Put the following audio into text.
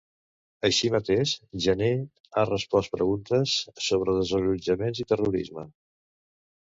Així mateix, Jané ha respost preguntes sobre desallotjaments i terrorisme.